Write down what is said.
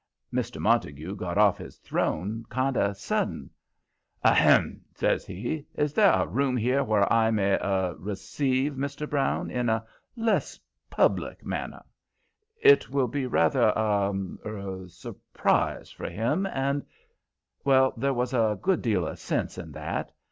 Mr. Montague got off his throne kind of sudden. "Ahem!" says he. "Is there a room here where I may er receive Mr. Brown in a less public manner? It will be rather a er surprise for him, and " Well, there was a good deal of sense in that.